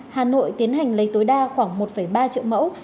hà nội tiến hành lấy tối đa khoảng một ba triệu mẫu